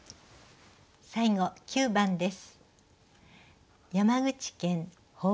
最後９番です。